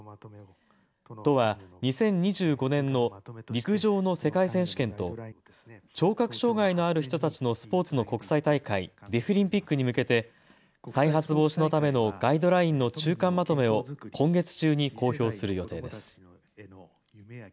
都は２０２５年の陸上の世界選手権と聴覚障害のある人たちのスポーツの国際大会、デフリンピックに向けて、再発防止のためのガイドラインの中間まとめを今月中に公表する予定です。